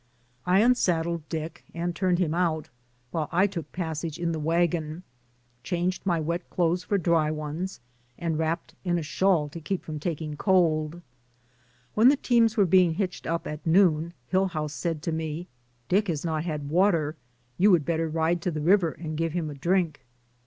I unsaddled Dick and turned him out, while I took passage in the wagon, changed DAYS ON THE ROAD. 107 my wet clothes for dry ones and wrapped in a shawl to keep from taking cold. When the teams were being hitched up at noon, Hill house said to me, ''Dick has not had water; you would better ride to the river and give him a drink."